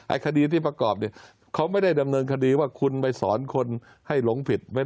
คดีที่ประกอบเนี่ยเขาไม่ได้ดำเนินคดีว่าคุณไปสอนคนให้หลงผิดไหม